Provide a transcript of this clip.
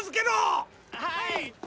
はい！